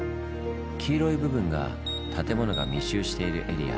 黄色い部分が建物が密集しているエリア。